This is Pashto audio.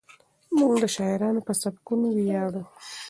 موږ د شاعرانو په سبکونو ویاړو.